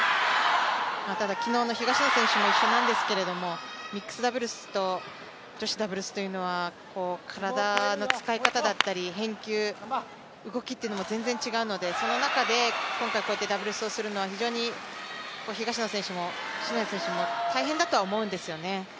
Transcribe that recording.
ただ昨日の東野選手もそうなんですけどミックスダブルスと女子ダブルスというのは体の使い方だったり返球、動きというのも全然違うのでその中で今回ダブルスをするのは非常に東野選手も篠谷選手も大変だとは思うんですよね。